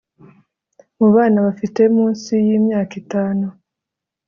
mu bana bafite munsi y'imyaka itanu